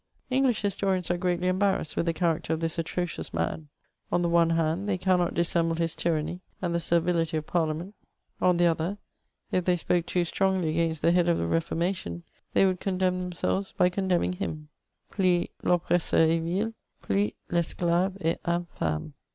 English historians are greatly embarrassed with the character of this atrocious man ; on the one hand, they cannot dissemble his tyranny, and the servility of parliament ; on the other, if they spoke too strongly against the head of the Reformation, they would condemn themselves by condemning him :*' Plus I'oppresseur est vil, plus Tesclave est infame.